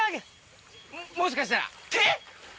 もしかしたら。